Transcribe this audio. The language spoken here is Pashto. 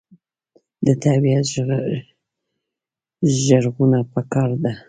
د طبیعت ژغورنه پکار ده.